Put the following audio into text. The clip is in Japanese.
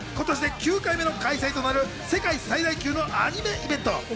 こちらは今年で９回目の開催となる世界最大級のアニメイベント。